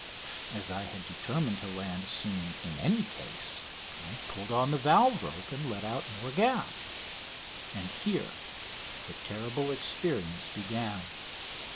As I had determined to land soon in any case I pulled on the valve rope and let out more gas. And here the terrible experience began.